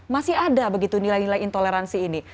masih ada begitu nilai nilai intoleransi ini